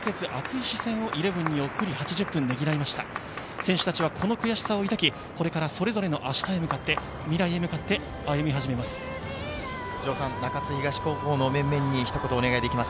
選手たちはこの悔しさを抱きこれからそれぞれの明日へと向かって、未来に向かって歩み出します。